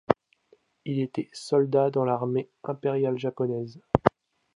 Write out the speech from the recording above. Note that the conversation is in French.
Il était soldat dans l'armée impériale japonaise.